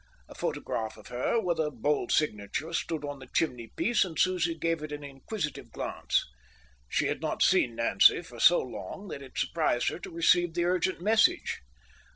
A photograph of her, with a bold signature, stood on the chimney piece, and Susie gave it an inquisitive glance. She had not seen Nancy for so long that it surprised her to receive this urgent message.